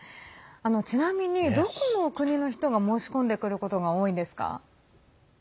ちなみに、どこの国の人が申し込んでくることが多いんですか？